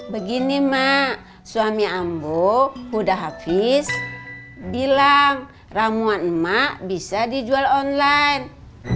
begini mak suami ambo udah habis bilang ramuan emak bisa dijual online